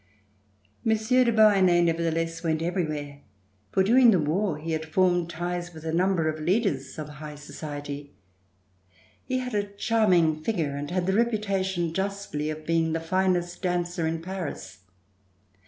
Monsieur de Beauharnais nevertheless went everywhere, for during the war he had formed ties with a number of leaders of high society. He had a charming figure and had the reputation, justly, of being the finest dancer in Paris.